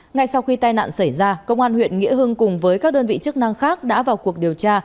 ngay sau khi tai nạn xảy ra công an huyện nghĩa hưng cùng với các đơn vị chức năng khác đã vào cuộc điều tra